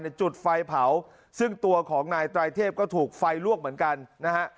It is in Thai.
จุดไฟเผาซึ่งตัวของนายไตรเทพก็ถูกไฟลวกเหมือนกันนะฮะ